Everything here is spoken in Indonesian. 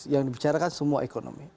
yang dibicarakan semua ekonomi